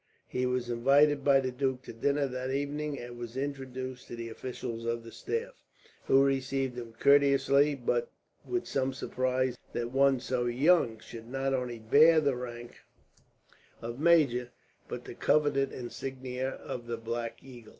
He was invited by the duke to dinner that evening, and was introduced to the officers of the staff; who received him courteously, but with some surprise that one so young should not only bear the rank of major, but the coveted insignia of the Black Eagle.